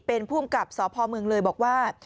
เป็นภูมิกับสพเมืองเลยบอกว่า